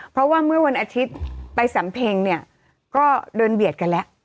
เพราะว่าเมื่อวันอาทิตย์ไปสำเพ็งเนี่ยก็เดินเบียดกันแล้ว